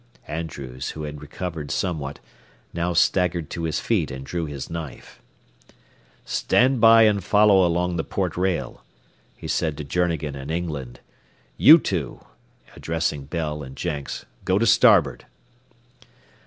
Andrews, who had recovered somewhat, now staggered to his feet and drew his knife. "Stand by and follow along the port rail," he said to Journegan and England. "You two," addressing Bell and Jenks, "go to starboard."